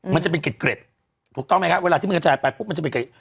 มันจะเป็นเกร็ด